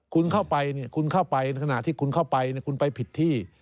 คุณเข้าไปคุณเข้าไปในขณะที่คุณเข้าไปคุณไปผิดที่